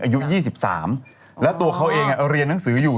อายุ๒๓แล้วตัวเขาเองเรียนหนังสืออยู่